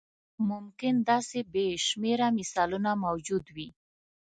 ممکن داسې بې شمېره مثالونه موجود وي.